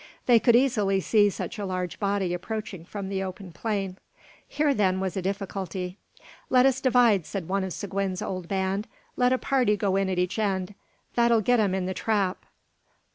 They could easily see such a large body approaching from the open plain. Here then was a difficulty. "Let us divide," said one of Seguin's old band; "let a party go in at each end. That'll git 'em in the trap."